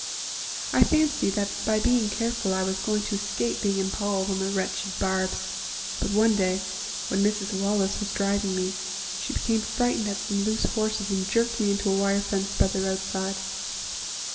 I fancied that by being careful I was going to escape being impaled on the wretched barbs; but one day, when Mrs. Wallace was driving me, she became frightened at some loose horses, and jerked me into a wire fence by the roadside.